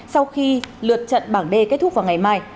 sau khi lượt trận bảng d kết thúc vào ngày mai